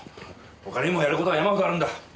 他にもやる事は山ほどあるんだ。